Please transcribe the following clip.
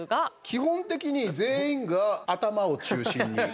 基本的に全員が頭を中心に。